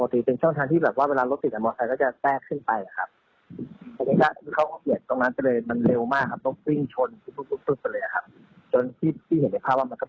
เฉียดช่องทางที่ไม่ได้มีช่องทางเริงรถนะครับ